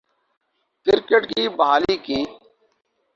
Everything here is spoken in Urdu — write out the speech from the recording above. کرکٹ کی بحالی کی